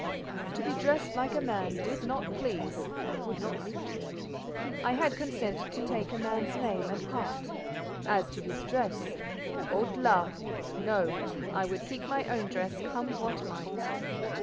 To be dressed like a man did not please, and would not suit me. I had consented to take a man's name and part; as to his dress—halte là! No. I would keep my own dress, come what might.